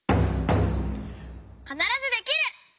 「かならずできる！」。